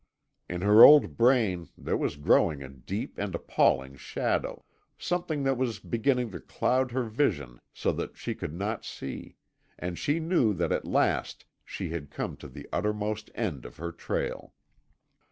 In her old brain there was growing a deep and appalling shadow, something that was beginning to cloud her vision so that she could not see, and she knew that at last she had come to the uttermost end of her trail.